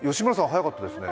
早かったですね。